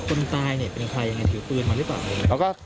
คนตายเป็นใครอย่างนั้นถือปืนมันหรือเปล่า